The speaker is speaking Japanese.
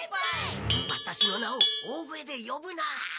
ワタシの名を大声でよぶな。